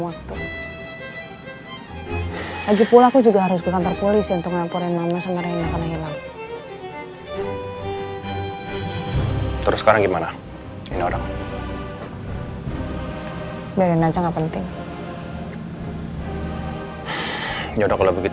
ya udah kalau begitu sekarang